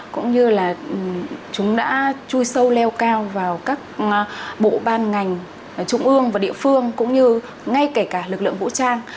cũng như là chúng đã chui sâu leo cao vào các bộ ban ngành trung ương và địa phương cũng như ngay kể cả lực lượng vũ trang